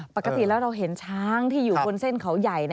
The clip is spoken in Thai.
ปกติแล้วเราเห็นช้างที่อยู่บนเส้นเขาใหญ่